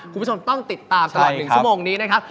คุณผู้ชมต้องติดตามตลอด๑ชั่วโมงนี้นะครับ